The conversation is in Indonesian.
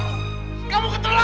kamu anggu imtan itu ada di kamu